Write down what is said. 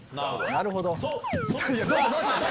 なるほど。